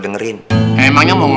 dan siapa yang iake aja